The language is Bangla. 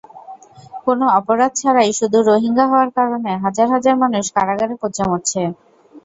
কোনো অপরাধ ছাড়াই—শুধু রোহিঙ্গা হওয়ার কারণে—হাজার হাজার মানুষ কারাগারে পচে মরছে।